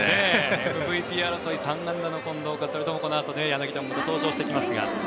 ＭＶＰ争い３安打の近藤か柳田もこのあと登場しますが。